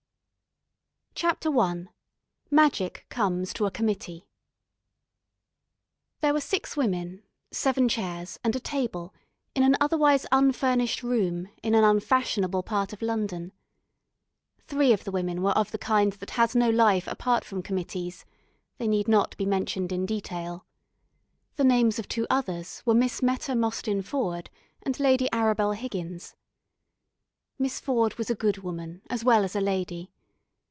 CHAPTER I MAGIC COMES TO A COMMITTEE There were six women, seven chairs, and a table in an otherwise unfurnished room in an unfashionable part of London. Three of the women were of the kind that has no life apart from committees. They need not be mentioned in detail. The names of two others were Miss Meta Mostyn Ford and Lady Arabel Higgins. Miss Ford was a good woman, as well as a lady.